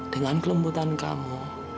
dengan kelembutan kamu